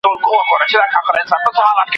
سردار محمد داود خان د ملي یووالي لپاره هڅه کول.